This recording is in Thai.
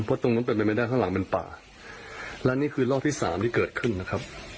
เพราะตรงนั้นเป็นไปไม่ได้ข้างหลังเป็นป่าและนี่คือรอบที่สามที่เกิดขึ้นนะครับ